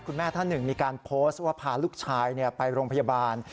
ท่านหนึ่งมีการโพสต์ว่าพาลูกชายไปโรงพยาบาล